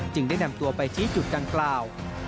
ได้นำตัวไปชี้จุดดังกล่าว